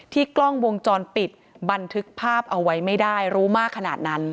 กล้องวงจรปิดบันทึกภาพเอาไว้ไม่ได้รู้มากขนาดนั้น